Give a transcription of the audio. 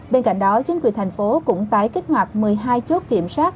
bên cạnh đó chính quyền thành phố cũng tái kích hoạt một mươi hai chốt kiểm soát